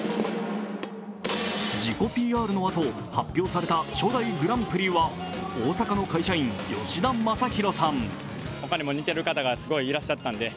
自己ＰＲのあと、発表された初代グランプリは、大阪の会社員、吉田昌弘さん。